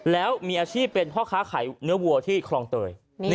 แล้วมีอาชีพเป็นพ่อค้าขายเนื้อวัวที่คลองเตย